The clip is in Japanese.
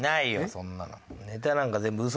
そんなの。